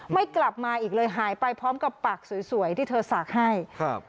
ไม่กลับมาอีกเลยหายไปพร้อมกับปากสวยสวยที่เธอสากให้ครับ